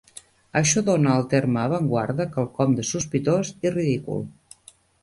Això dóna al terme avantguarda quelcom de sospitós i ridícul.